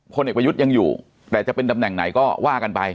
พลเอกประยุทธ์ยังอยู่แต่จะเป็นตำแหน่งไหนก็ว่ากันไป